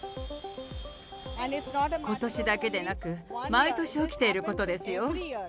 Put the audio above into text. ことしだけでなく、毎年起きていることですよ。